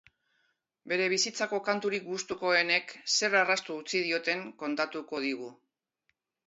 Bere bizitzako kanturik gustokoenek zer arrasto utzi dioten kontatuko digu.